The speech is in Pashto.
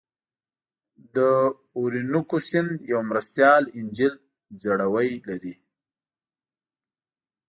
د اورینوکو سیند یوه مرستیال انجیل ځړوی لري.